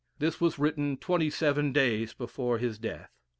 This was written twenty seven days before his death.